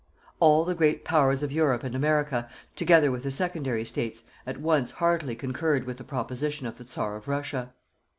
All the great Powers of Europe and America, together with the secondary states, at once heartily concurred with the proposition of the Czar of Russia.